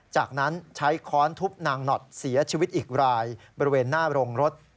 จากนั้นใช้ค้อนทุบนางหนอดเสียชีวิตอีกรายบริเวณหน้าโรงรถ